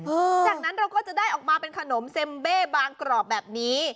จากนั้นเราก็จะได้ออกมาเป็นขนมเซ็มเบ้บางกรอบแบบนี้